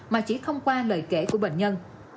mà chỉ không qua lời kể của bệnh nhân